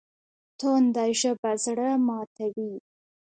تنده ژبه زړه ماتوي